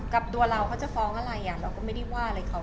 กับตัวเราเขาจะฟ้องอะไรเราก็ไม่ได้ว่าอะไรเขา